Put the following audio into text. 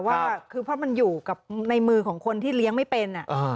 ว่าคือเพราะมันอยู่กับในมือของคนที่เลี้ยงไม่เป็น